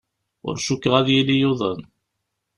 Ur cukkeɣ ad yili yuḍen.